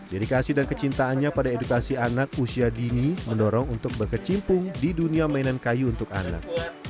dedikasi dan kecintaannya pada edukasi anak usia dini mendorong untuk berkecimpung di dunia mainan kayu untuk anak